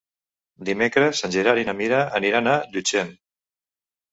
Dimecres en Gerard i na Mira aniran a Llutxent.